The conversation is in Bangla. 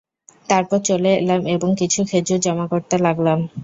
তারপর চলে এলাম এবং কিছু খেজুর জমা করতে লাগলাম।